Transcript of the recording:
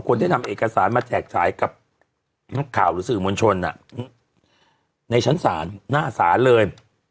คนที่นำเอกสารมาแจกฉายกับนักข่าวหรือสื่อมวลชนในชั้นศาลหน้าศาลเลย